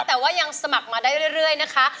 แต่ว่ายังสมัครมาได้เรื่อยนะคะ